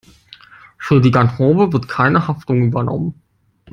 Für die Garderobe wird keine Haftung übernommen.